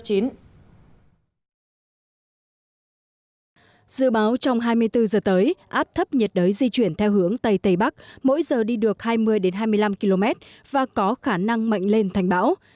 dự báo trong hai mươi bốn giờ tới áp thấp nhiệt đới di chuyển theo hướng tây tây bắc mỗi giờ đi được hai mươi hai mươi năm km và có khả năng mạnh lên thành bão